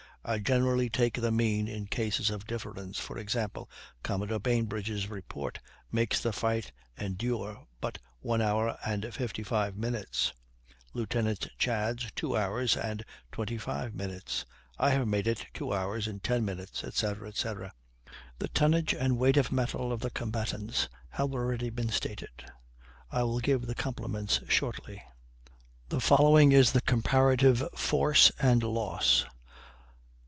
I generally take the mean in cases of difference; for example, Commodore Bainbridge's report makes the fight endure but 1 hour and 55 minutes, Lieutenant Chads' 2 hours and 25 minutes: I have made it 2 hours and 10 minutes, etc., etc. The tonnage and weight of metal of the combatants have already been stated; I will give the complements shortly. The following is the COMPARATIVE FORCE AND LOSS.